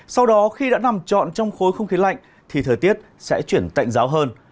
sau đó khi đã nằm trọn trong khối không khí lạnh thì thời tiết sẽ chuyển tạnh giáo hơn